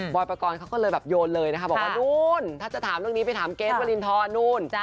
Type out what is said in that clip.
ประกอบเขาก็เลยแบบโยนเลยนะคะบอกว่านู้นถ้าจะถามเรื่องนี้ไปถามเกรทวรินทรนู่น